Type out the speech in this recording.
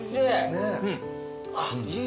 ねっ。